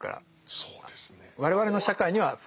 そうですね。